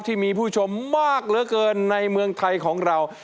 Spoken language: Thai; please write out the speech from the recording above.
ที่มีผู้ชมมากเหลือเกินในเมืองไทยของเรา